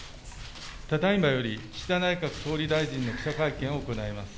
ただ今より岸田内閣総理大臣の記者会見を行います。